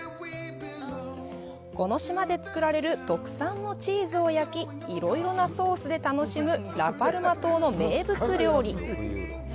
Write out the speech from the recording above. この島で作られる特産のチーズを焼き、いろいろなソースで楽しむラ・パルマ島の名物料理。